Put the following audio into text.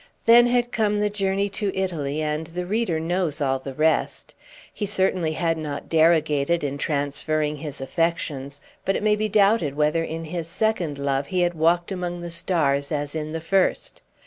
Then had come the journey to Italy, and the reader knows all the rest. He certainly had not derogated in transferring his affections, but it may be doubted whether in his second love he had walked among the stars as in the first.